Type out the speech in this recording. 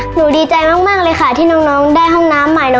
หนูดีใจมากเลยค่ะที่น้องได้ห้องน้ำใหม่